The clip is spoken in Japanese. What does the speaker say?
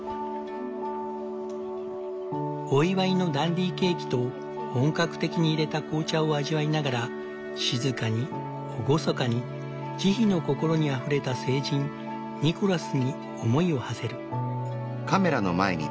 お祝いのダンディーケーキと本格的にいれた紅茶を味わいながら静かに厳かに慈悲の心にあふれた聖人ニコラスに思いをはせる。